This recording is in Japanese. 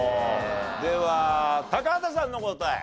では高畑さんの答え。